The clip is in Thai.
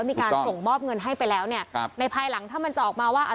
มีการส่งมอบเงินให้ไปแล้วเนี่ยครับในภายหลังถ้ามันจะออกมาว่า